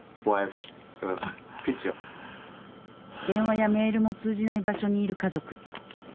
電話やメールも通じない場所にいる家族。